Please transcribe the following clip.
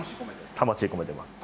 魂込めてます